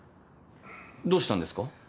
どうしたんですか？